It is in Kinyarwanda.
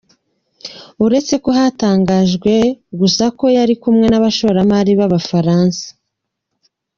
Uretse ko hatangajwe gusa ko yari kumwe n’abashoramari b’abafaransa.